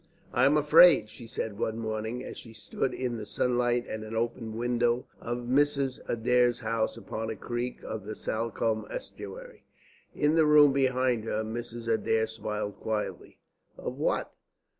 "I am afraid," she said, one morning, as she stood in the sunlight at an open window of Mrs. Adair's house upon a creek of the Salcombe estuary. In the room behind her Mrs. Adair smiled quietly. "Of what?